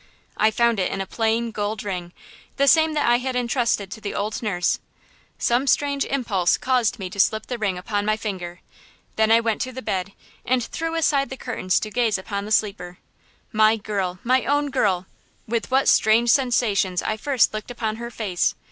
I found it in a plain, gold ring–the same that I had intrusted to the old nurse. Some strange impulse caused me to slip the ring upon my finger. Then I went to the bed and threw aside the curtains to gaze upon the sleeper. My girl–my own girl! With what strange sensations I first looked upon her face!